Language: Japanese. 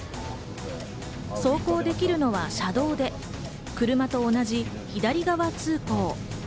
走行できるのは車道で、車と同じ左側通行。